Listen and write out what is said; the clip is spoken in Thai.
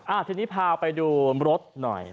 อ้าวทรีย์นี้พาไปดูรถหน่อย